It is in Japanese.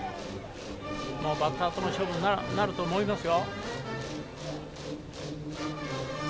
バッターとの勝負になると思います。